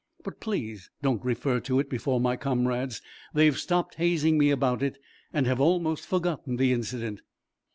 "But please don't refer to it before my comrades, They've stopped hazing me about it, and have almost forgotten the incident."